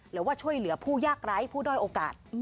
หรือว่าช่วยเหลือผู้ยากไร้ผู้ด้อยโอกาส